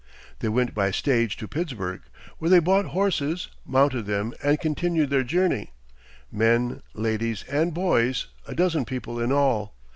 They went by stage to Pittsburg, where they bought horses, mounted them and continued their journey, men, ladies, and boys, a dozen people in all.